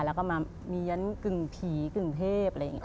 แล้วก็มาเมียนกึ่งผีกึ่งเทพอะไรอย่างนี้